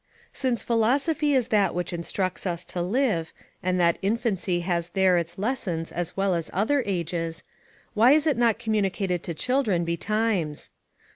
Since philosophy is that which instructs us to live, and that infancy has there its lessons as well as other ages, why is it not communicated to children betimes?